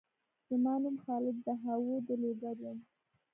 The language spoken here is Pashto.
زما نوم خالد دهاو د لوګر یم